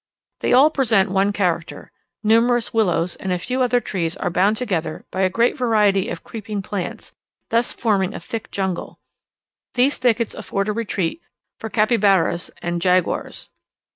They all present one character; numerous willows and a few other trees are bound together by a great variety of creeping plants, thus forming a thick jungle. These thickets afford a retreat for capybaras and jaguars.